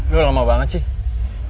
lu lama banget sih